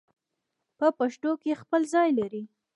په پښتو کې خپل ځای لري